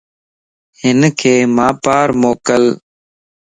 ھنک مان پار موڪل